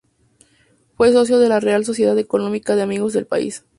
Fue socio de la Real Sociedad Económica de Amigos del País.